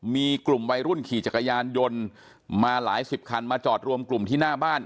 มีกลุ่มวัยรุ่นขี่จักรยานยนต์มาหลายสิบคันมาจอดรวมกลุ่มที่หน้าบ้าน